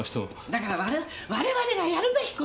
だから我々がやるべき事よ！